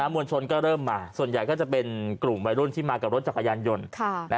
มวลชนก็เริ่มมาส่วนใหญ่ก็จะเป็นกลุ่มวัยรุ่นที่มากับรถจักรยานยนต์